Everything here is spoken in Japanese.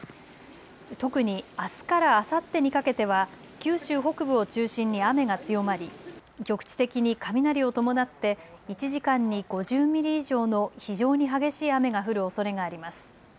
特にあすからあさってにかけては九州北部を中心に雨が強まり局地的に雷を伴って１時間に５０ミリ以上の非常に激しい雨が降るおそれがあります。